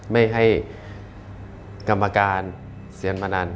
ไม่ให้กรรมการเซียนพนัน